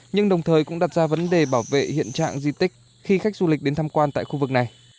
nhưng đồng thời cũng đặt ra vấn đề bảo vệ hiện trạng di tích khi khách du lịch đến tham quan tại khu vực này